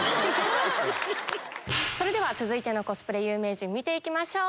それでは続いてのコスプレ有名人見ていきましょう！